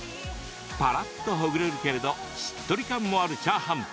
パラッとほぐれるけれどしっとり感もあるチャーハン。